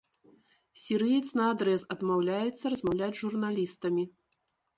Сірыец наадрэз адмаўляецца размаўляць з журналістамі.